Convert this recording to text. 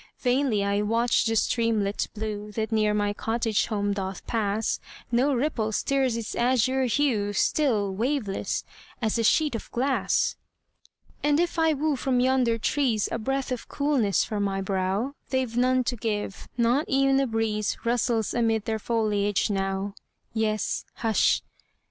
Vainly I watch the streamlet blue That near my cottage home doth pass, No ripple stirs its azure hue, Still waveless, as a sheet of glass And if I woo from yonder trees A breath of coolness for my brow, They've none to give not e'en a breeze Rustles amid their foliage now; Yes, hush!